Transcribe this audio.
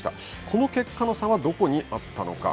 この結果の差はどこにあったのか。